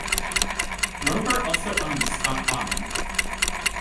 Rover also owns Scott Bonnar.